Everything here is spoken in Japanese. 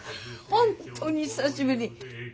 本当に久しぶり！